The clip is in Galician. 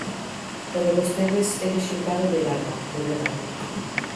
O de vostedes é de xulgado de garda, de verdade.